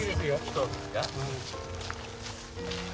そうですか？